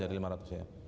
koreksi jadi lima ratus ya